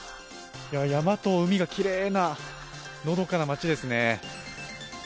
山と海がきれいなのどかな町ですね。